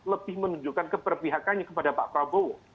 lebih menunjukkan keberpihakannya kepada pak prabowo